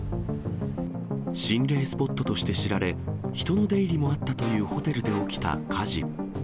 心霊スポットとして知られ、人の出入りもあったというホテルで起きた火事。